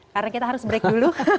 karena kita harus break dulu